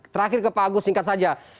terakhir ke pak agus singkat saja